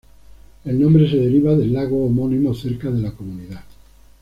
El nombre se deriva del lago homónimo cerca de la comunidad.